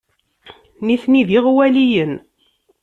Nitni d iɣwaliyen.